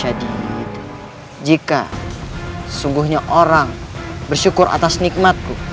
mainkan gamenya dapetin plusnya